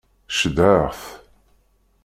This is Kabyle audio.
Cedhaɣ-t.